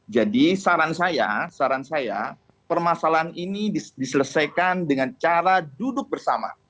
jadi saran saya permasalahan ini diselesaikan dengan cara duduk bersama